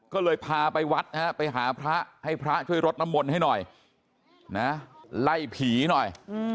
ก็เลยพาไปวัดนะฮะไปหาพระให้พระช่วยรดน้ำมนต์ให้หน่อยนะไล่ผีหน่อย